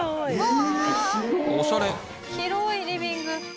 「広いリビング」